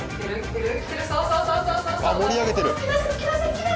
あ、盛り上げてる！